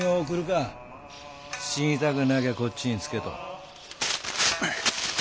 死にたくなきゃこっちにつけと。